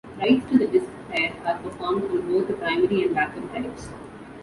Writes to the disk pair are performed on both the primary and backup drives.